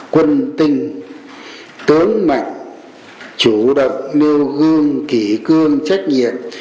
quân tinh tớn mạnh chủ động nêu gương kỷ cương trách nhiệm